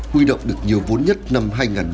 huy động được nhiều vốn nhất năm hai nghìn một mươi